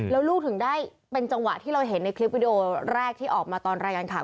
แล้วลูกถึงได้เป็นจังหวะที่เราเห็นในคลิปวิดีโอแรกที่ออกมาตอนรายงานข่าว